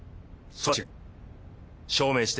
そして。